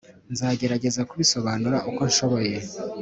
nzagerageza kubisobanura uko nshoboye.